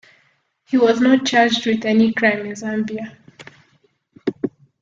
He was not charged with any crime in Zambia.